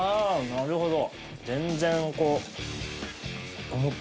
「なるほど」